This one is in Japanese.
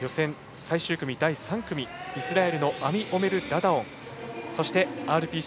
最終組第３組イスラエルのアミオメル・ダダオンそしてＲＰＣ